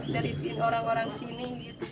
dari orang orang sini